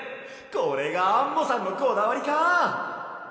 これがアンモさんのこだわりか！